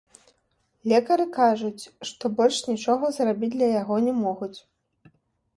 Лекары кажуць, што больш нічога зрабіць для яго не могуць.